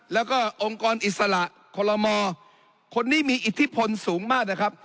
แล้วก็องค์กรอิสระคอลโลมคนนี้มีอิทธิพลสูงมากนะครับ